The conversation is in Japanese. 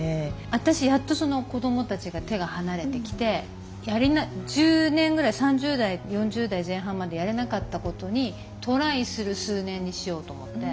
私やっと子どもたちが手が離れてきて１０年ぐらい３０代４０代前半までやれなかったことにトライする数年にしようと思って。